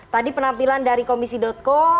tadi penampilan dari komisi co